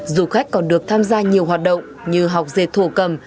du khách còn được tham gia nhiều hoạt động như học dệt thổ cầm